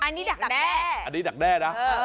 อันนี้ดักแด้อันนี้ดักแด้นะ